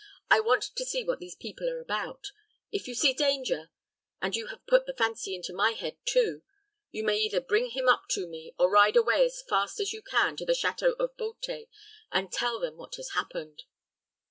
I want to see what these people are about. If you see danger and you have put the fancy into my head too you may either bring him up to me, or ride away as fast as you can to the château of Beauté, and tell what has happened."